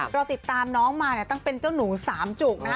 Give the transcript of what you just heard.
เราติดตามน้องมาเนี่ยต้องเป็นเจ้าหนูสามจุกนะ